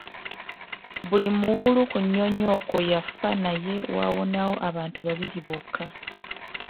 Buli muwuulu ku nnyonyi okwo yafa naye waawonawo abantu babiri bokka.